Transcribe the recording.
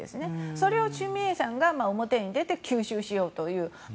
それをチュ・ミエさんが表に出て吸収しようという。